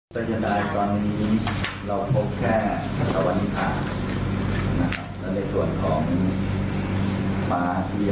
แล้วก็เก็บของมากจาก